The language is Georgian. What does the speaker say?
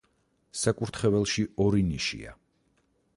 საკურთხეველში ორი ნიშია.